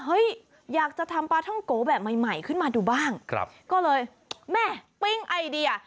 เฮ้ยอยากจะทำปลาท่องโกแบบใหม่ขึ้นมาดูบ้างก็เลยแม่ปริ้งไอเดีย